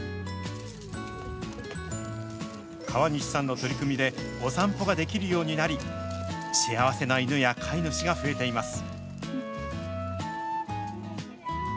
川西さんの取り組みで、お散歩ができるようになり、幸せな犬や飼い主が増えています。